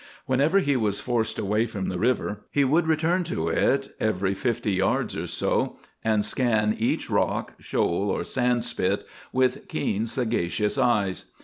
Whenever he was forced away from the river, he would return to it at every fifty yards or so, and scan each rock, shoal or sand spit with keen, sagacious eyes.